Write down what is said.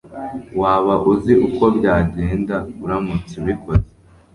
waba uzi uko byagenda uramutse ubikoze